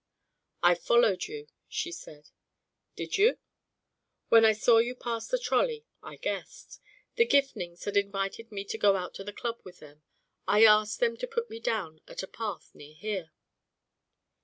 "I followed you," she said. "Did you?" "When I saw you pass in the trolley, I guessed. The Gifnings had invited me to go out to the Club with them. I asked them to put me down at a path near here."